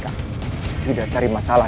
ayo ke j lebenantan